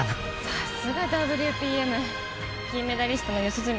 さすがＷＰＭ金メダリストの四十住